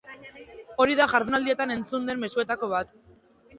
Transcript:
Hori da jardunaldietan entzun den mezuetako bat.